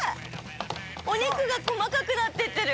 お肉がこまかくなってってる。